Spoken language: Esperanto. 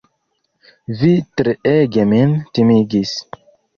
Vi treege min timigis!